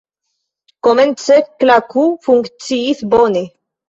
Komence, Klaku funkciis bone.